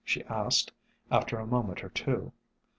she asked, after a moment or two.